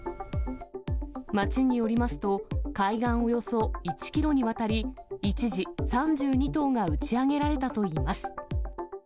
町によりますと、海岸およそ１キロにわたり、一時、３２頭が打ち上げられたといいます。